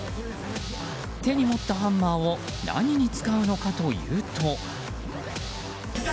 手に持ったハンマーを何に使うのかというと。